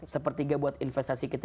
sepertiga buat investasi kita